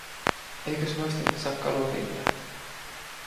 Eikös noista nyt saa kalua millään.